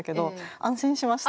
安心しました！